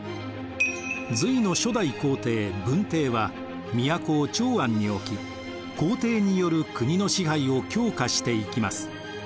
隋の初代皇帝文帝は都を長安に置き皇帝による国の支配を強化していきます。